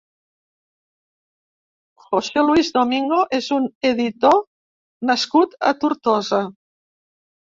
José Luis Domingo és un editor nascut a Tortosa.